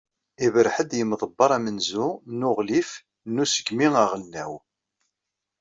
Iberreḥ-d yimḍebber amenzu n uɣlif n usegmi aɣelnaw.